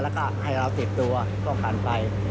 แล้วก็ให้เราติดตัวที่ก็คลั่นไป